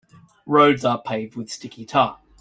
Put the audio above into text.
Roads are paved with sticky tar.